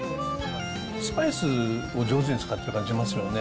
スパイスを上手に使っている感じがしますよね。